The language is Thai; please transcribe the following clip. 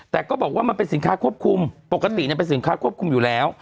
แต่ก็บอกว่ามันเป็นสินค้าควบคุมปกติเป็นสินค้าควบคุมอยู่แล้ว